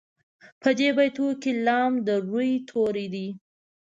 په دې بیتونو کې لام د روي توری دی.